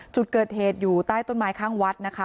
จุดเกิดเหตุอยู่ใต้ต้นไม้ข้างวัดนะคะ